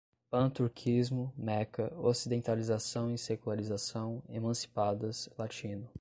Pan-turquismo, Meca, ocidentalização e secularização, emancipadas, latino